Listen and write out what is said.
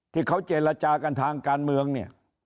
ที่เขาเจรจากันทางการเมืองเนี่ย